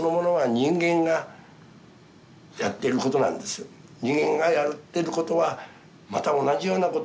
人間がやってることはまた同じようなことをやるに違いないと。